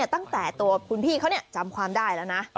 ตั้งแต่ตัวคุณพี่เขาจำความได้แล้วนะ